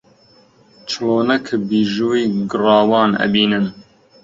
چلۆنە کە بیژووی گڕاوان ئەبینن